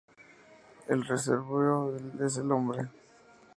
El reservorio es el hombre.